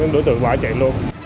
đối tượng bỏ chạy luôn